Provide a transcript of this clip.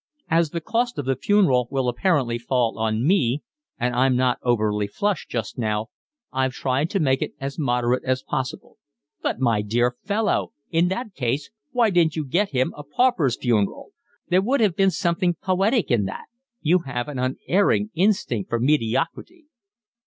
"As the cost of the funeral will apparently fall on me and I'm not over flush just now, I've tried to make it as moderate as possible." "But, my dear fellow, in that case, why didn't you get him a pauper's funeral? There would have been something poetic in that. You have an unerring instinct for mediocrity."